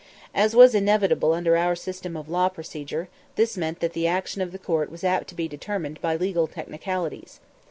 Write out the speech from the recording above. As was inevitable under our system of law procedure, this meant that the action of the court was apt to be determined by legal technicalities.